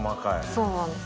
そうなんです。